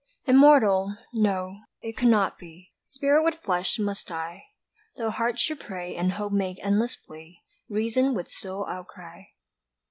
"Immortal?" No it could not be, Spirit with flesh must die. Tho' heart should pray and hope make endless plea, Reason would still outcry.